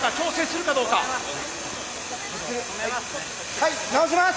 はい直します！